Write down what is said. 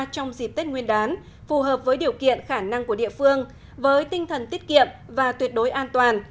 trong dịp tết nguyên đán phù hợp với điều kiện khả năng của địa phương với tinh thần tiết kiệm và tuyệt đối an toàn